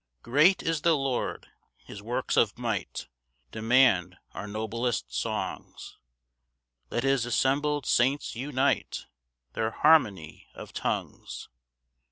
1 Great is the Lord; his works of might Demand our noblest songs; Let his assembled saints unite Their harmony of tongues.